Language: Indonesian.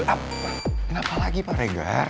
apa kenapa lagi pak rega